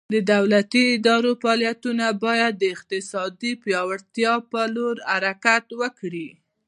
د دولتي ادارو فعالیتونه باید د اقتصادي پیاوړتیا په لور حرکت وکړي.